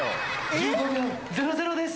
１５秒００です。